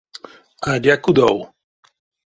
Адя кудов!